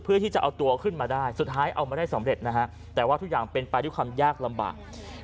เพื่อที่จะเอาตัวขึ้นมาได้สุดท้ายเอามาได้สำเร็จนะฮะแต่ว่าทุกอย่างเป็นไปด้วยความยากลำบาก